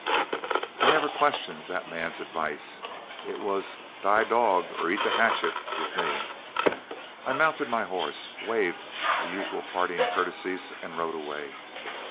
I never questioned that man's advice; it was 'die dog or eat the hatchet' with me. I mounted my horse, waved the usual parting courtesies, and rode away.